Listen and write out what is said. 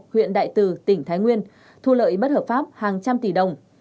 huyện đại từ tỉnh thái nguyên thu lợi bất hợp pháp hàng trăm tỷ đồng